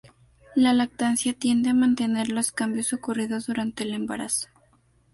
La lactancia tiende a mantener los cambios ocurridos durante el embarazo.